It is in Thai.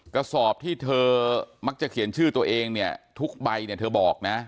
กระสอบที่เธอมักจะเขียนชื่อตัวเองเนี่ยทุกใบเนี่ยเธอบอกนะ